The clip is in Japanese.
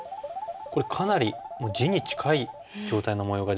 これかなりもう地に近い状態の模様ができましたよね。